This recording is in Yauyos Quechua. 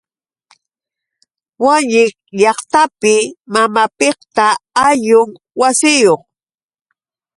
Wañik llaqtapi mamapiqta ayllun wasiyuq.